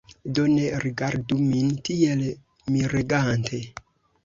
Do, ne rigardu min tiel miregante!